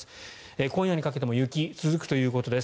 今夜にかけても雪が続くということです。